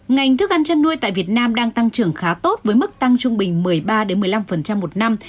ngành thức ăn chăn nuôi tại việt nam đang tăng trưởng khá tốt với mức tăng trung bình một mươi ba một mươi năm một năm